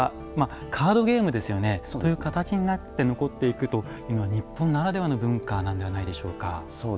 カードゲームという形になって残っていくというのは日本ならではの文化ではないでしょうか。